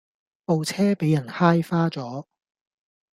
部車比人揩花左